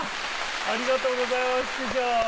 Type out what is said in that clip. ありがとうございます師匠。